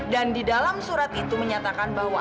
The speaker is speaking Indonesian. dan di dalam surat itu menyatakan bahwa